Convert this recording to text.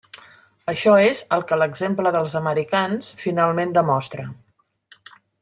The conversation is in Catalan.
Això és el que l'exemple dels americans finalment demostra.